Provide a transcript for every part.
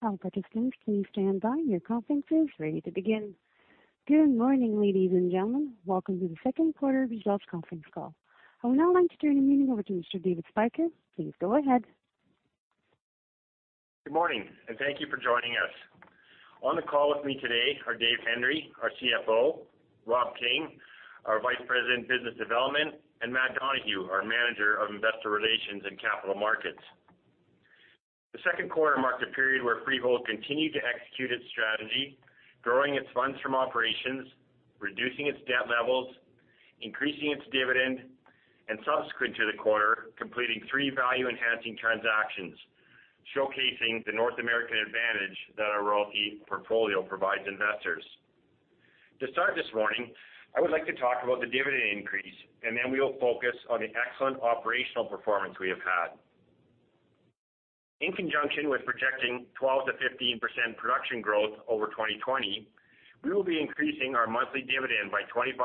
Good morning, ladies and gentlemen. Welcome to the second quarter results conference call. I would now like to turn the meeting over to Mr. Spyker. Please go ahead. Good morning, and thank you for joining us. On the call with me today are Dave Hendry, our CFO, Rob King, our Vice President, Business Development, and Matt Donohue, our Manager, Investor Relations and Capital Markets. The second quarter marked a period where Freehold continued to execute its strategy, growing its funds from operations, reducing its debt levels, increasing its dividend, and subsequent to the quarter, completing three value-enhancing transactions, showcasing the North American advantage that our royalty portfolio provides investors. To start this morning, I would like to talk about the dividend increase, and then we will focus on the excellent operational performance we have had. In conjunction with projecting 12%-15% production growth over 2020, we will be increasing our monthly dividend by 25%,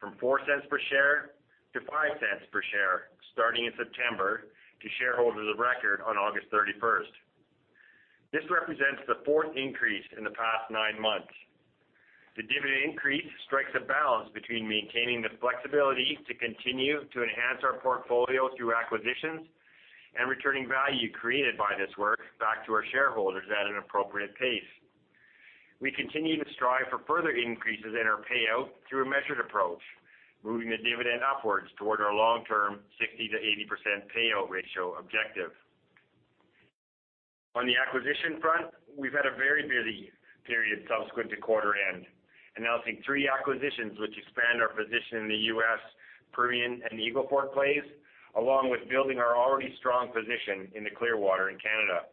from 0.04 per share to 0.05 per share, starting in September, to shareholders of record on August 31st. This represents the fourth increase in the past nine months. The dividend increase strikes a balance between maintaining the flexibility to continue to enhance our portfolio through acquisitions and returning value created by this work back to our shareholders at an appropriate pace. We continue to strive for further increases in our payout through a measured approach, moving the dividend upwards toward our long-term 60%-80% payout ratio objective. On the acquisition front, we've had a very busy period subsequent to quarter end, announcing three acquisitions which expand our position in the U.S. Permian and Eagle Ford plays, along with building our already strong position in the Clearwater in Canada.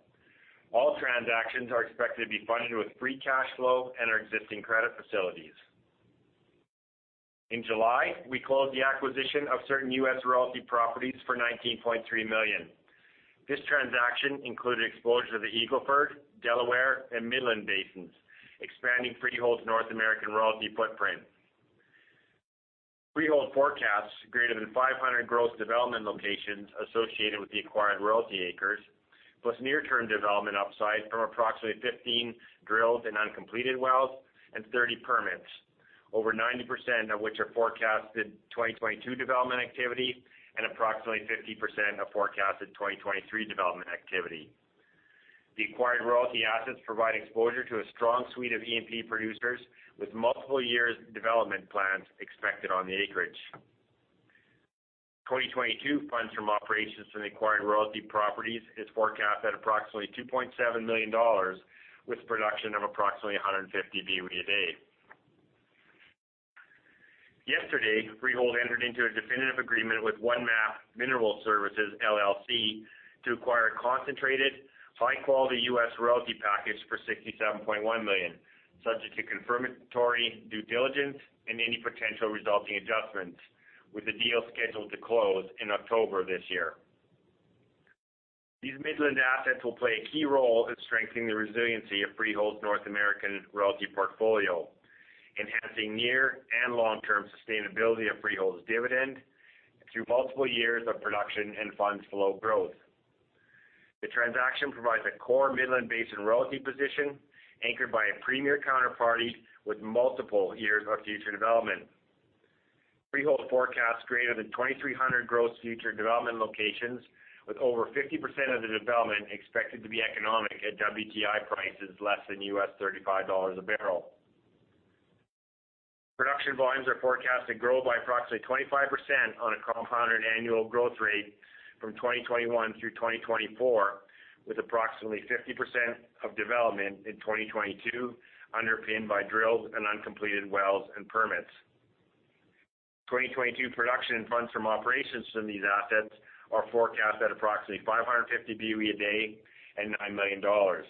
All transactions are expected to be funded with free cash flow and our existing credit facilities. In July, we closed the acquisition of certain U.S. royalty properties for 19.3 million. This transaction included exposure to the Eagle Ford, Delaware, and Midland basins, expanding Freehold's North American royalty footprint. Freehold forecasts greater than 500 gross development locations associated with the acquired royalty acres, plus near-term development upside from approximately 15 drilled but uncompleted wells and 30 permits, over 90% of which are forecasted 2022 development activity and approximately 50% of forecasted 2023 development activity. The acquired royalty assets provide exposure to a strong suite of E&P producers with multiple years of development plans expected on the acreage. 2022 funds from operations from the acquired royalty properties is forecast at approximately 2.7 million dollars, with production of approximately 150 boe a day. Yesterday, Freehold entered into a definitive agreement with OneMap Mineral Services LLC to acquire a concentrated, high-quality U.S. royalty package for 67.1 million, subject to confirmatory due diligence and any potential resulting adjustments, with the deal scheduled to close in October this year. These Midland assets will play a key role in strengthening the resiliency of Freehold's North American royalty portfolio, enhancing near and long-term sustainability of Freehold's dividend through multiple years of production and funds flow growth. The transaction provides a core Midland basin royalty position anchored by a premier counterparty with multiple years of future development. Freehold forecasts greater than 2,300 gross future development locations, with over 50% of the development expected to be economic at WTI prices less than $35 a barrel. Production volumes are forecast to grow by approximately 25% on a compound annual growth rate from 2021 through 2024, with approximately 50% of development in 2022 underpinned by drilled but uncompleted wells and permits. 2022 production and funds from operations from these assets are forecast at approximately 550 boe a day and 9 million dollars.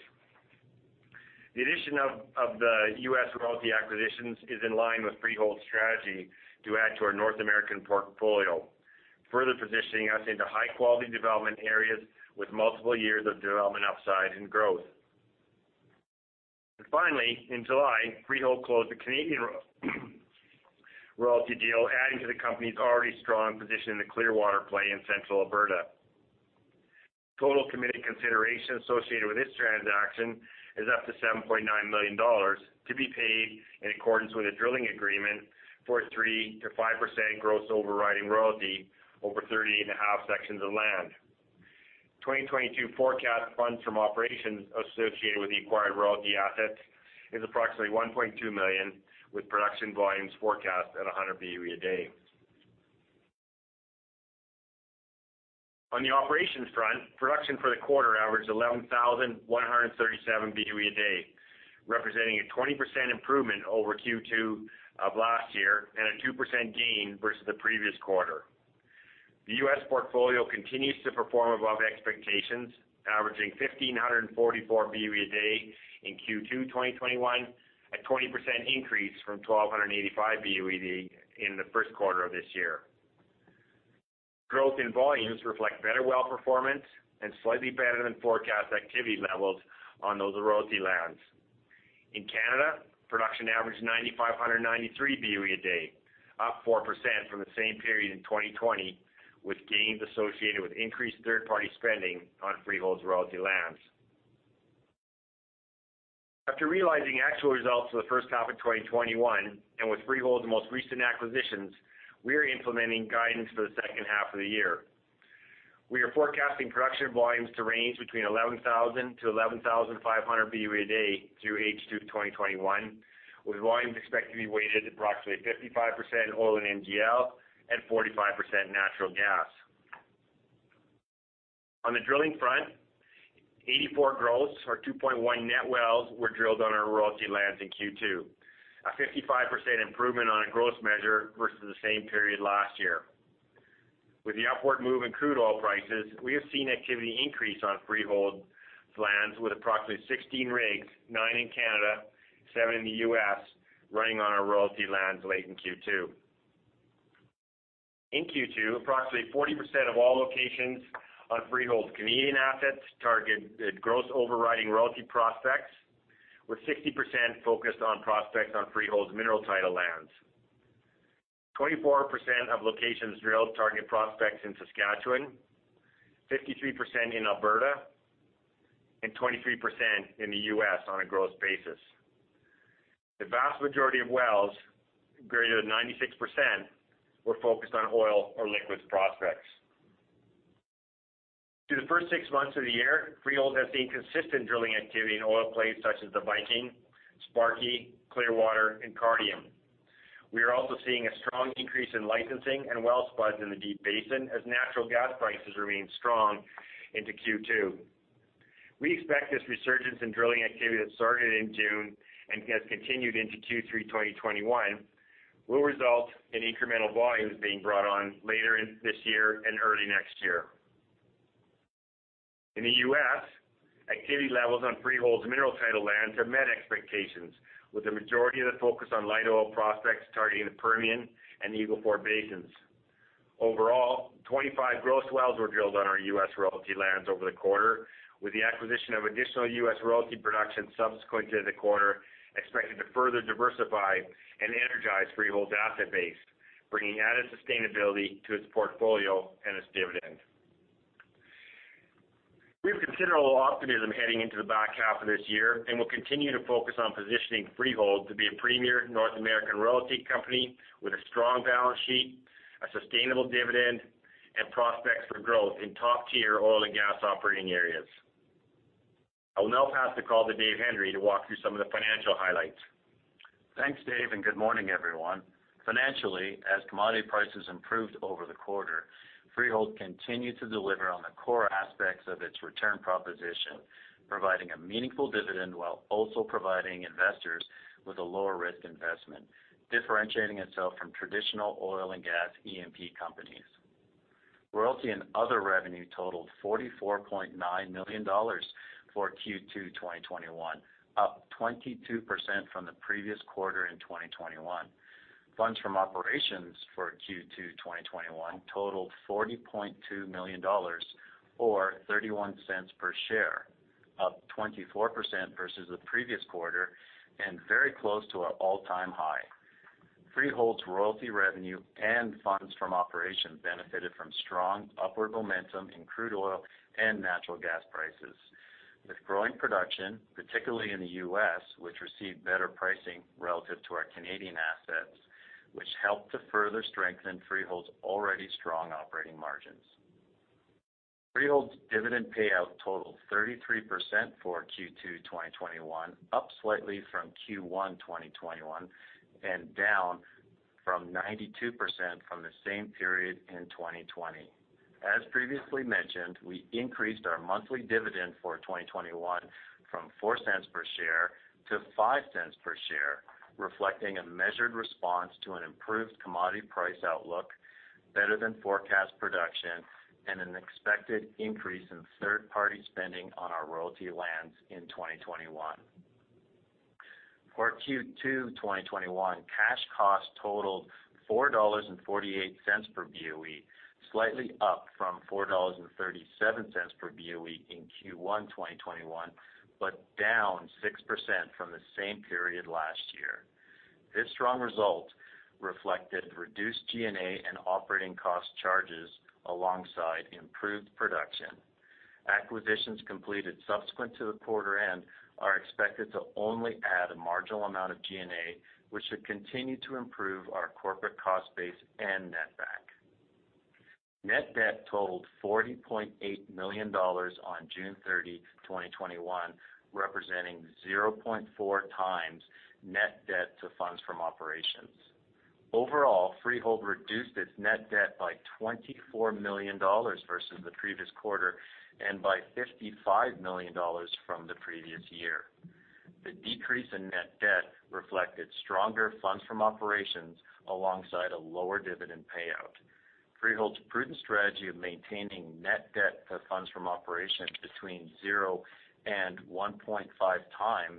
The addition of the U.S. royalty acquisitions is in line with Freehold's strategy to add to our North American portfolio, further positioning us into high-quality development areas with multiple years of development upside and growth. Finally, in July, Freehold closed a Canadian royalty deal, adding to the company's already strong position in the Clearwater play in Central Alberta. Total committed consideration associated with this transaction is up to 7.9 million dollars, to be paid in accordance with a drilling agreement for 3%-5% gross overriding royalty over 30.5 sections of land. 2022 forecast funds from operations associated with the acquired royalty assets is approximately 1.2 million, with production volumes forecast at 100 boe a day. On the operations front, production for the quarter averaged 11,137 boe a day, representing a 20% improvement over Q2 of last year and a 2% gain versus the previous quarter. The U.S. portfolio continues to perform above expectations, averaging 1,544 boe a day in Q2 2021, a 20% increase from 1,285 boe a day in the first quarter of this year. Growth in volumes reflect better well performance and slightly better than forecast activity levels on those royalty lands. In Canada, production averaged 9,593 boe a day, up 4% from the same period in 2020, with gains associated with increased third-party spending on Freehold's royalty lands. After realizing actual results for the first half of 2021, and with Freehold's most recent acquisitions, we are implementing guidance for the second half of the year. We are forecasting production volumes to range between 11,000 boe-11,500 boe a day through H2 2021, with volumes expected to be weighted approximately 55% oil and NGL and 45% natural gas. On the drilling front, 84 gross or 2.1 net wells were drilled on our royalty lands in Q2, a 55% improvement on a gross measure versus the same period last year. With the upward move in crude oil prices, we have seen activity increase on Freehold's lands with approximately 16 rigs, nine in Canada, seven in the U.S., running on our royalty lands late in Q2. In Q2, approximately 40% of all locations on Freehold's Canadian assets targeted gross overriding royalty prospects, with 60% focused on prospects on Freehold's mineral title lands. 24% of locations drilled target prospects in Saskatchewan, 53% in Alberta, and 23% in the U.S. on a gross basis. The vast majority of wells, greater than 96%, were focused on oil or liquids prospects. Through the first six months of the year, Freehold has seen consistent drilling activity in oil plays such as the Viking, Sparky, Clearwater, and Cardium. We are also seeing a strong increase in licensing and well spots in the Deep Basin as natural gas prices remain strong into Q2. We expect this resurgence in drilling activity that started in June and has continued into Q3 2021 will result in incremental volumes being brought on later in this year and early next year. In the U.S., activity levels on Freehold's mineral title lands have met expectations, with the majority of the focus on light oil prospects targeting the Permian and Eagle Ford basins. Overall, 25 gross wells were drilled on our U.S. royalty lands over the quarter, with the acquisition of additional U.S. royalty production subsequent to the quarter expected to further diversify and energize Freehold's asset base, bringing added sustainability to its portfolio and its dividend. We have considerable optimism heading into the back half of this year and will continue to focus on positioning Freehold to be a premier North American royalty company with a strong balance sheet, a sustainable dividend, and prospects for growth in top-tier oil and gas operating areas. I will now pass the call to Dave Hendry to walk through some of the financial highlights. Thanks, Dave. Good morning, everyone. Financially, as commodity prices improved over the quarter, Freehold continued to deliver on the core aspects of its return proposition, providing a meaningful dividend while also providing investors with a lower-risk investment, differentiating itself from traditional oil and gas E&P companies. Royalty and other revenue totaled 44.9 million dollars for Q2 2021, up 22% from the previous quarter in 2021. Funds from operations for Q2 2021 totaled 40.2 million dollars, or 0.31 per share, up 24% versus the previous quarter and very close to an all-time high. Freehold's royalty revenue and funds from operations benefited from strong upward momentum in crude oil and natural gas prices with growing production, particularly in the U.S., which received better pricing relative to our Canadian assets, which helped to further strengthen Freehold's already strong operating margins. Freehold's dividend payout totaled 33% for Q2 2021, up slightly from Q1 2021 and down from 92% from the same period in 2020. As previously mentioned, we increased our monthly dividend for 2021 from 0.04 per share to 0.05 per share, reflecting a measured response to an improved commodity price outlook, better than forecast production, and an expected increase in third-party spending on our royalty lands in 2021. For Q2 2021, cash cost totaled 4.48 dollars per boe, slightly up from 4.37 dollars per boe in Q1 2021, but down 6% from the same period last year. This strong result reflected reduced G&A and operating cost charges alongside improved production. Acquisitions completed subsequent to the quarter end are expected to only add a marginal amount of G&A, which should continue to improve our corporate cost base and netback. Net debt totaled 40.8 million dollars on June 30, 2021, representing 0.4x net debt to funds from operations. Overall, Freehold reduced its net debt by 24 million dollars versus the previous quarter and by 55 million dollars from the previous year. The decrease in net debt reflected stronger funds from operations alongside a lower dividend payout. Freehold's prudent strategy of maintaining net debt to funds from operations between zero and 1.5x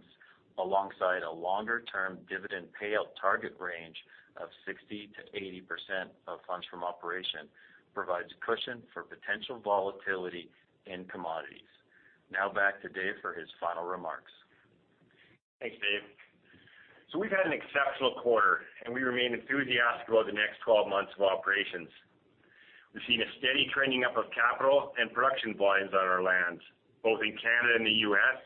alongside longer-term dividend payout target range of 60%-80% of funds from operations provides cushion for potential volatility in commodities. Back to Dave for his final remarks. Thanks, Dave. We've had an exceptional quarter, and we remain enthusiastic about the next 12 months of operations. We've seen a steady trending up of capital and production volumes on our lands, both in Canada and the U.S.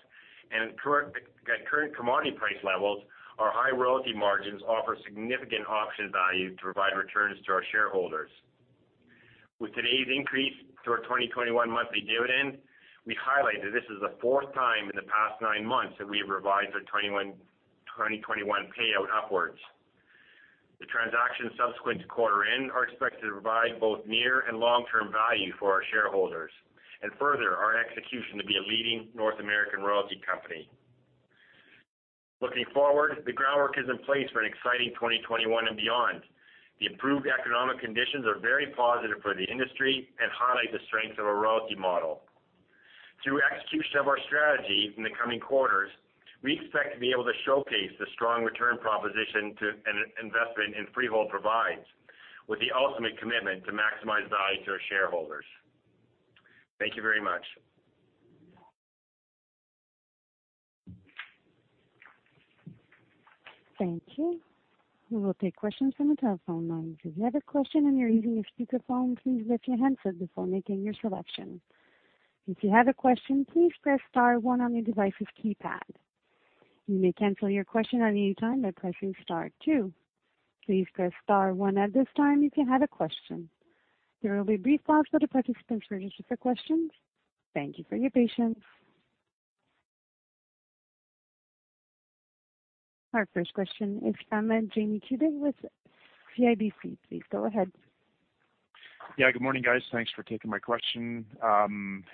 At current commodity price levels, our high royalty margins offer significant option value to provide returns to our shareholders. With today's increase to our 2021 monthly dividend, we highlight that this is the fourth time in the past nine months that we have revised our 2021 payout upwards. The transactions subsequent to quarter end are expected to provide both near and long-term value for our shareholders, and further our execution to be a leading North American royalty company. Looking forward, the groundwork is in place for an exciting 2021 and beyond. The improved economic conditions are very positive for the industry and highlight the strength of a royalty model. Through execution of our strategy in the coming quarters, we expect to be able to showcase the strong return proposition an investment in Freehold provides, with the ultimate commitment to maximize value to our shareholders. Thank you very much. Thank you. We will take questions from the telephone lines. Should you have a question and you're using your speakerphone, please get your handset before making your selection. If you have a question please press star one on your device's keypad. You may cancel your question anytime by pressing star two. Please press star one at this time if you have a question. There will be a brief pause for participants to register their questions. Thank you for your patience. Our first question is from Jamie Kubik with CIBC. Please go ahead. Yeah. Good morning, guys. Thanks for taking my question.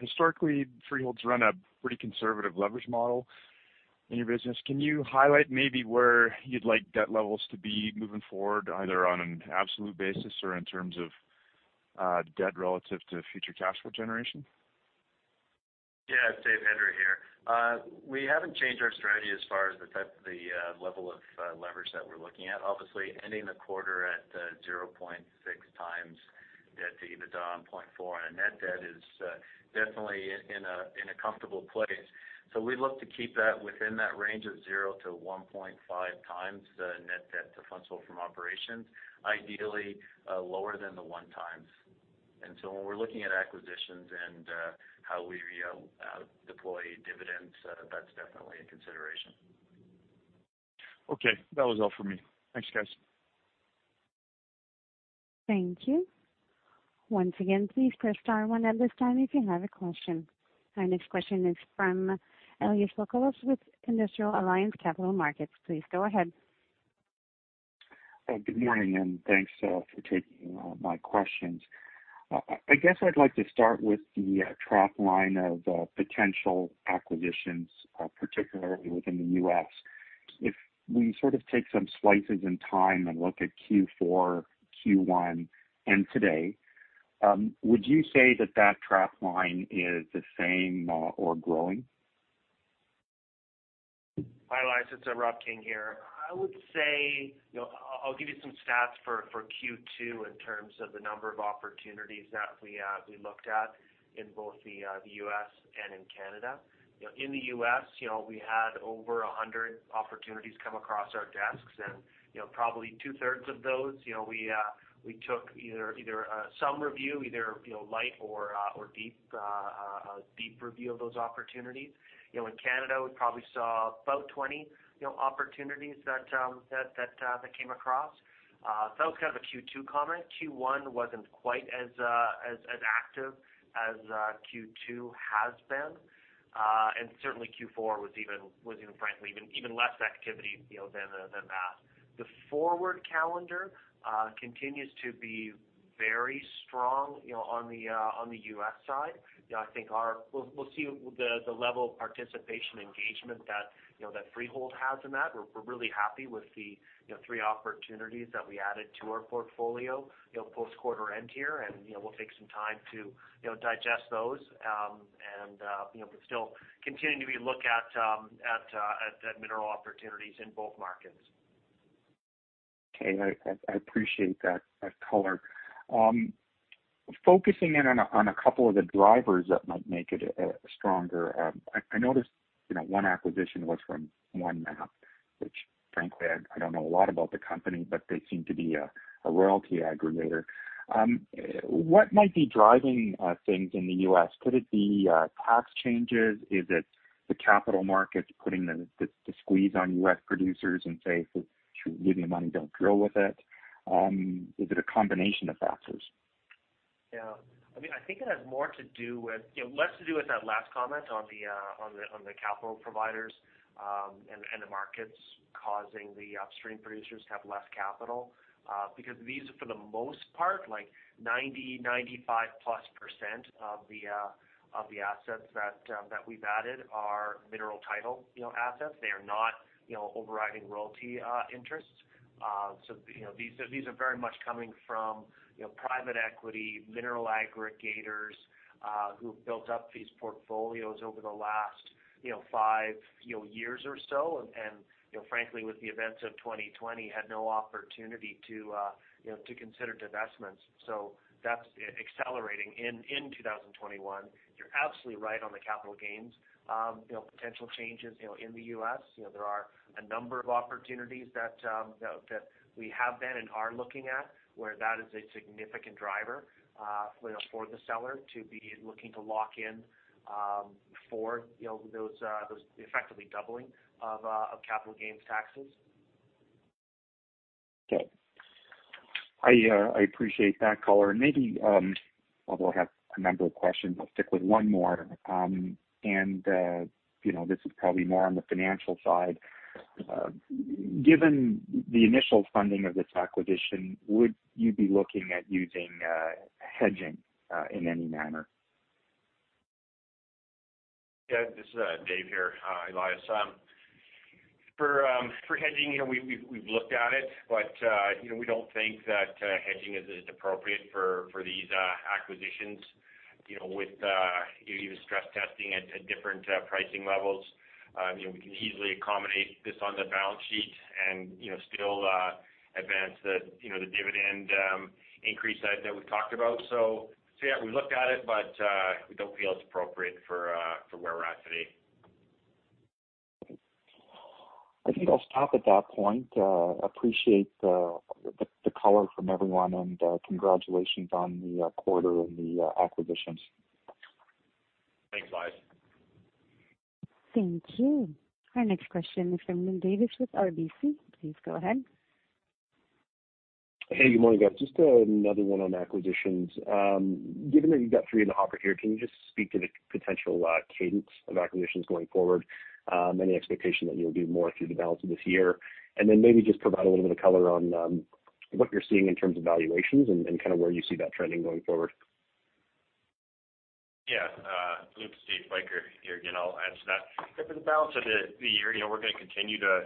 Historically, Freehold's run a pretty conservative leverage model in your business. Can you highlight maybe where you'd like debt levels to be moving forward, either on an absolute basis or in terms of debt relative to future cash flow generation? It's Dave Hendry here. We haven't changed our strategy as far as the level of leverage that we're looking at. Obviously, ending the quarter at 0.6x debt to EBITDA and 0.4x on a net debt is definitely in a comfortable place. We look to keep that within that range of zero to 1.5x net debt to funds from operations, ideally, lower than the 1x. When we're looking at acquisitions and how we deploy dividends, that's definitely a consideration. Okay. That was all for me. Thanks, guys. Thank you. Once again, please press star one at this time if you have a question. Our next question is from Elias Foscolos with Industrial Alliance Capital Markets. Please go ahead. Good morning, thanks for taking my questions. I guess I'd like to start with the track line of potential acquisitions, particularly within the U.S. If we sort of take some slices in time and look at Q4, Q1, and today, would you say that track line is the same or growing? Hi, Elias. It's Rob King here. I'll give you some stats for Q2 in terms of the number of opportunities that we looked at in both the U.S. and in Canada. In the U.S., we had over 100 opportunities come across our desks and probably two-thirds of those, we took either some review, either light or a deep review of those opportunities. In Canada, we probably saw about 20 opportunities that came across. That was kind of a Q2 comment. Q1 wasn't quite as active as Q2 has been. Certainly Q4 was even, frankly, even less activity than that. The forward calendar continues to be very strong on the U.S. side. We'll see the level of participation engagement that Freehold has in that. We're really happy with the three opportunities that we added to our portfolio post quarter end here, and we'll take some time to digest those. Still continuing to look at mineral opportunities in both markets. Okay. I appreciate that color. Focusing in on a couple of the drivers that might make it stronger. I noticed one acquisition was from OneMap, which frankly, I don't know a lot about the company, but they seem to be a royalty aggregator. What might be driving things in the U.S.? Could it be tax changes? Is it the capital markets putting the squeeze on U.S. producers and say, "Give me the money, don't drill with it"? Is it a combination of factors? Yeah. I think it has Less to do with that last comment on the capital providers and the markets causing the upstream producers to have less capital, because these, for the most part, like 90%-95+ % of the assets that we've added are mineral title assets. They are not overriding royalty interests. These are very much coming from, you know, private equity, mineral aggregators who built up these portfolios over the last five years or so. You know frankly, with the events of 2020, had no opportunity to consider divestments. That's accelerating in 2021. You're absolutely right on the capital gains. Potential changes in the U.S. There are a number of opportunities that we have been and are looking at where that is a significant driver for the seller to be looking to lock in for those effectively doubling of capital gains taxes. Okay. I appreciate that color. Maybe, although I have a number of questions, I'll stick with one more. This is probably more on the financial side. Given the initial funding of this acquisition, would you be looking at using hedging in any manner? This is Dave here. Elias. For hedging, we've looked at it, but we don't think that hedging is appropriate for these acquisitions. With even stress testing at different pricing levels, we can easily accommodate this on the balance sheet and still advance the dividend increase that we've talked about. Yeah, we looked at it, but we don't feel it's appropriate for where we're at today. I think I'll stop at that point. Appreciate the color from everyone, and congratulations on the quarter and the acquisitions. Thanks, Elias. Thank you. Our next question is from Luke Davis with RBC. Please go ahead. Hey, good morning, guys. Just another one on acquisitions. Given that you've got three in the hopper here, can you just speak to the potential cadence of acquisitions going forward? Any expectation that you'll do more through the balance of this year? Maybe just provide a little bit of color on what you're seeing in terms of valuations and kind of where you see that trending going forward. Yeah. Luke, it's Dave Spyker here again. I'll answer that. For the balance of the year, we're going to continue to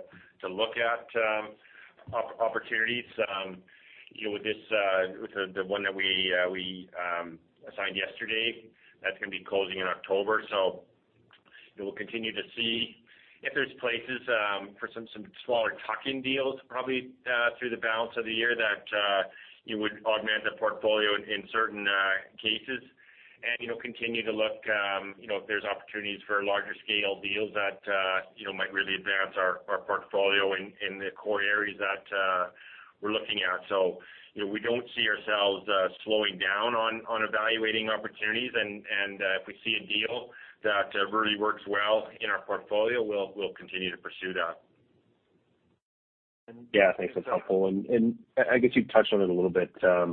look at opportunities. With the one that we assigned yesterday, that's going to be closing in October. We'll continue to see if there's places for some smaller tuck-in deals, probably through the balance of the year, that would augment the portfolio in certain cases and continue to look if there's opportunities for larger scale deals that might really advance our portfolio in the core areas that we're looking at. We don't see ourselves slowing down on evaluating opportunities, and if we see a deal that really works well in our portfolio, we'll continue to pursue that. Yeah. Thanks. That's helpful. I guess you've touched on it a little bit, but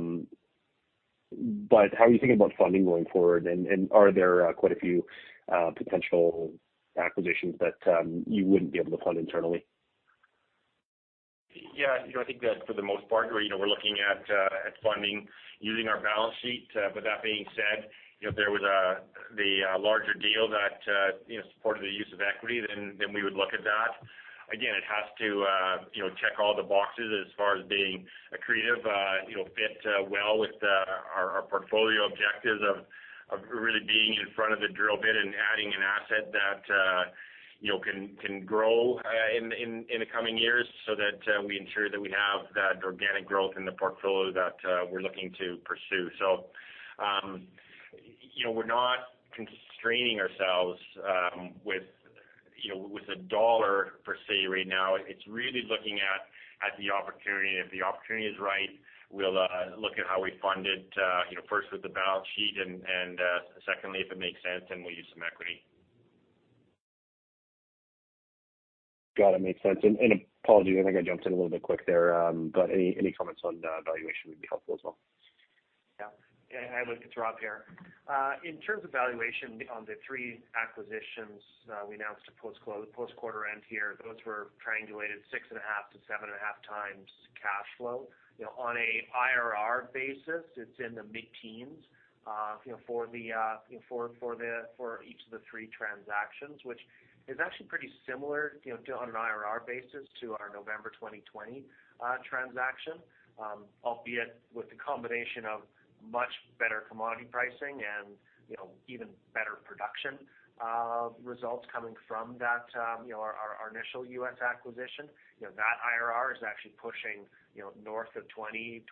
how are you thinking about funding going forward, and are there quite a few potential acquisitions that you wouldn't be able to fund internally? Yeah. I think that for the most part, we're looking at funding using our balance sheet. That being said, if there was the larger deal that supported the use of equity, we would look at that. Again, it has to check all the boxes as far as being accretive, fit well with our portfolio objectives of really being in front of the drill bit and adding an asset that can grow in the coming years so that we ensure that we have that organic growth in the portfolio that we're looking to pursue. We're not constraining ourselves with a dollar per se right now. It's really looking at the opportunity. If the opportunity is right, we'll look at how we fund it, first with the balance sheet, and secondly, if it makes sense, we'll use some equity. Got it. Makes sense. Apologies, I think I jumped in a little bit quick there. Any comments on valuation would be helpful as well. Yeah. Hey, Luke, it's Rob here. In terms of valuation on the three acquisitions we announced at post-quarter end here, those were triangulated 6.5x-7.5x cash flow. On an IRR basis, it's in the mid-teens for each of the three transactions, which is actually pretty similar on an IRR basis to our November 2020 transaction, albeit with the combination of much better commodity pricing and even better production results coming from our initial U.S. acquisition. That IRR is actually pushing north of 20%-23%.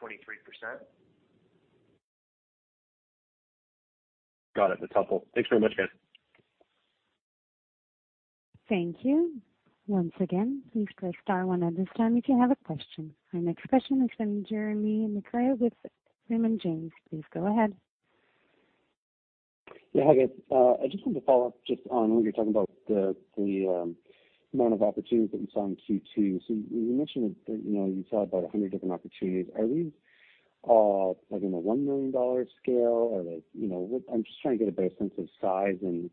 Got it. That's helpful. Thanks very much, guys. Thank you. Once again, please press star one at this time if you have a question. Our next question is from Jeremy McCrea with Raymond James. Please go ahead. Hi guys. I just wanted to follow up just on when you were talking about the amount of opportunities that you saw in Q2. You mentioned that you saw about 100 different opportunities. Are these all in the 1 million dollar scale? I'm just trying to get a better sense of size and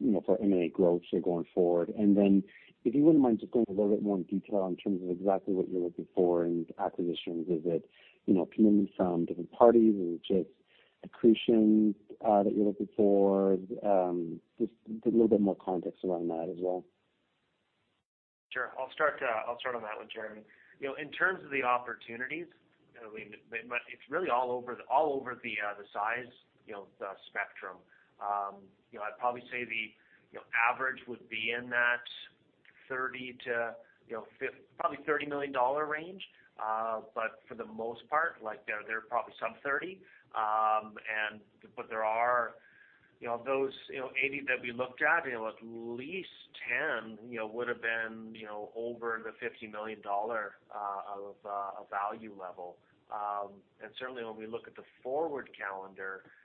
potential for M&A growth going forward. If you wouldn't mind just going into a little bit more detail in terms of exactly what you're looking for in acquisitions. Is it commitments from different parties, or is it just accretion that you're looking for? Just a little bit more context around that as well. Sure. I'll start on that one, Jeremy. In terms of the opportunities, it's really all over the size spectrum. I'd probably say the average would be in that probably 30 million dollar range. For the most part, they're probably sub-CAD 30 million. Of those 80 million that we looked at least 10 million would've been over the 50 million dollar of value level. Certainly when we look at the forward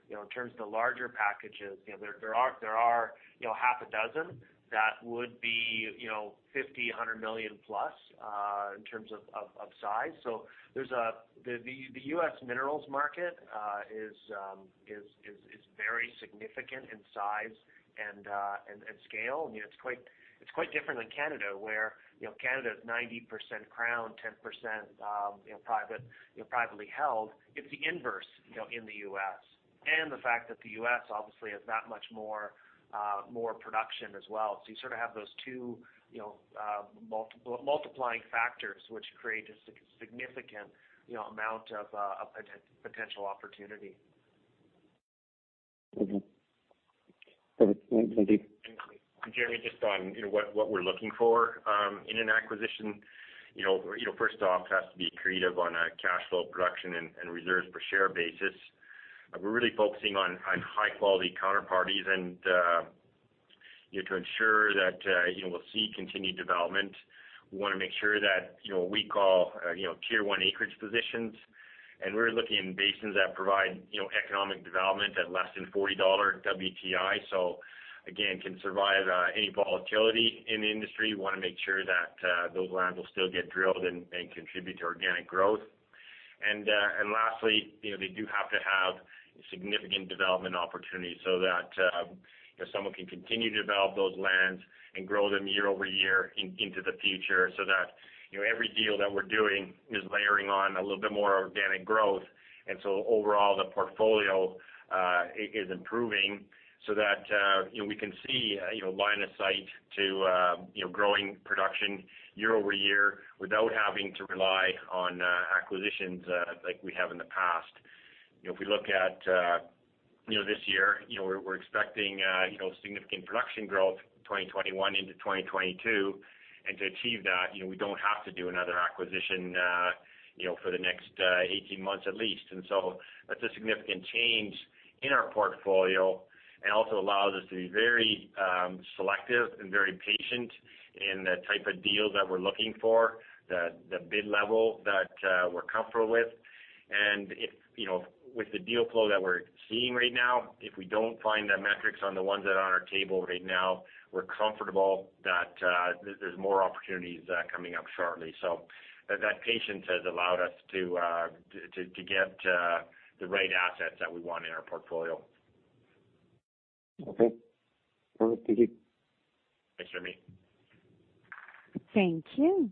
calendar, in terms of the larger packages, there are half a dozen that would be 50 million, CAD 100 million+ in terms of size. The U.S. minerals market is very significant in size and scale. It's quite different than Canada, where Canada is 90% Crown, 10% privately held. It's the inverse in the U.S., and the fact that the U.S. obviously has that much more production as well. You sort of have those two multiplying factors which create a significant amount of potential opportunity. Okay. Jeremy, just on what we're looking for in an acquisition. First off, it has to be accretive on a cash flow production and reserves per share basis. We're really focusing on high-quality counterparties and to ensure that we'll see continued development. We want to make sure that what we call tier one acreage positions. We're looking in basins that provide economic development at less than $40 WTI. Again, can survive any volatility in the industry. We want to make sure that those lands will still get drilled and contribute to organic growth. Lastly, they do have to have significant development opportunities so that someone can continue to develop those lands and grow them year-over-year into the future so that every deal that we're doing is layering on a little bit more organic growth. Overall, the portfolio is improving so that we can see line of sight to growing production year over year without having to rely on acquisitions like we have in the past. If we look at this year, we're expecting significant production growth 2021 into 2022. To achieve that, we don't have to do another acquisition for the next 18 months at least. That's a significant change in our portfolio and also allows us to be very selective and very patient in the type of deals that we're looking for, the bid level that we're comfortable with. With the deal flow that we're seeing right now, if we don't find the metrics on the ones that are on our table right now, we're comfortable that there's more opportunities coming up shortly. That patience has allowed us to get the right assets that we want in our portfolio. Okay. All right. Thank you. Thanks, Jeremy. Thank you.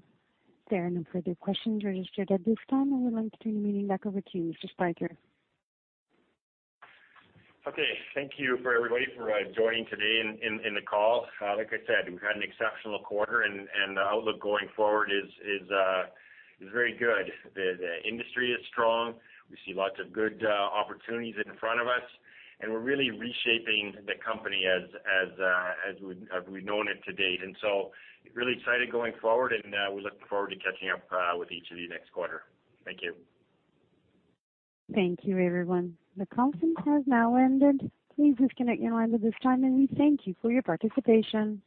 There are no further questions registered at this time. I would like to turn the meeting back over to you, Mr. Spyker. Okay. Thank you everybody for joining today in the call. Like I said, we've had an exceptional quarter, and the outlook going forward is very good. The industry is strong. We see lots of good opportunities in front of us, and we're really reshaping the company as we've known it to date. Really excited going forward, and we look forward to catching up with each of you next quarter. Thank you. Thank you, everyone. The conference has now ended. Please disconnect your lines at this time, and we thank you for your participation.